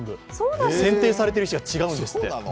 選定されている石が違うんですって。